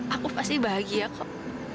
aku pasti bahagia kok